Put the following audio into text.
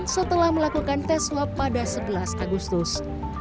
setelah melakukan tes swab pada sebelas agustus